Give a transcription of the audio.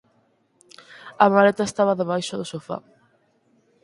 A maleta estaba debaixo do sofá.